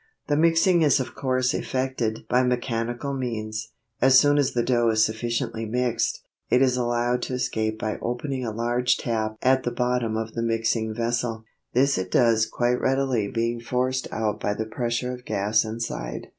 The mixing is of course effected by mechanical means. As soon as the dough is sufficiently mixed, it is allowed to escape by opening a large tap at the bottom of the mixing vessel. This it does quite readily being forced out by the pressure of gas inside.